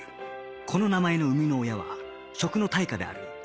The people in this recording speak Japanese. この名前の生みの親は食の大家である北大路魯山人